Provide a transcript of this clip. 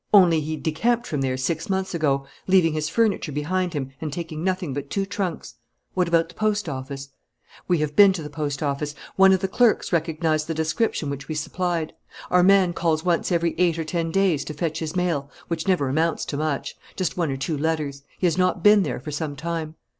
Only he decamped from there six months ago, leaving his furniture behind him and taking nothing but two trunks." "What about the post office?" "We have been to the post office. One of the clerks recognized the description which we supplied. Our man calls once every eight or ten days to fetch his mail, which never amounts to much: just one or two letters. He has not been there for some time."